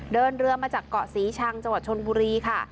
เดินเรือมาจากเกาะศรีชังจังหวัดชนบุรีค่ะ